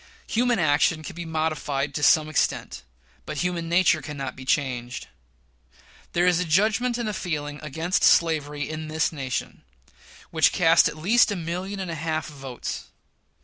Human action can be modified to some extent, but human nature cannot be changed. There is a judgment and a feeling against slavery in this nation, which cast at least a million and a half of votes.